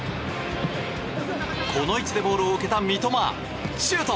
この位置でボールを受けた三笘シュート！